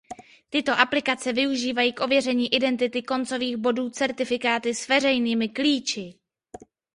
Tyto aplikace využívají k ověření identity koncových bodů certifikáty s veřejnými klíči.